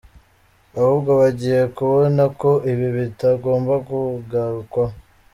Ahubwo bagiye kubona ko ibi bitagomba kugarukwaho.